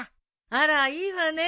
あらいいわね。